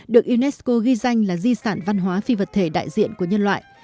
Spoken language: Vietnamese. được unesco ghi danh là di sản văn hóa phi vật thể đại diện của nhân loại